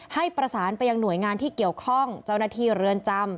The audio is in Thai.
ให้ประสานไปยังหน่วยงานที่เกี่ยวข้องเจ้าหน้าที่เรือนจำ